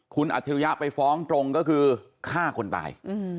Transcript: คุณอาชญาไปฟ้องตรงก็คือฆ่าคนตาย